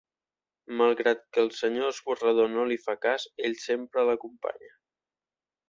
Malgrat que el Senyor Esborrador no li fa cas, ell sempre l’acompanya.